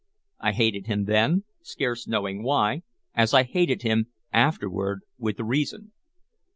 I hated him then, scarce knowing why, as I hated him afterward with reason.